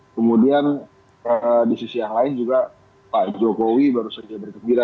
kemudian di sisi yang lain juga pak jokowi baru saja bergembira